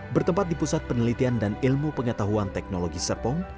bertempat di pusat penelitian dan ilmu pengetahuan teknologi serpong